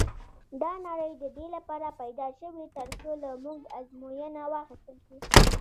دا نړۍ د دې لپاره پيدا شوې تر څو له موږ ازموینه واخیستل شي.